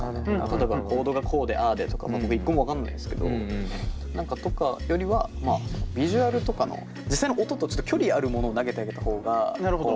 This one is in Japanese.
例えばコードがこうでああでとか僕１個も分かんないんですけど何かとかよりはまあビジュアルとかの実際の音とちょっと距離あるものを投げてあげた方が。